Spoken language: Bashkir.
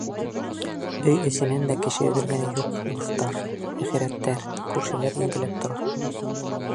Өй эсенән дә кеше өҙөлгәне юҡ, дуҫтар, әхирәттәр, күршеләр ингеләп тора.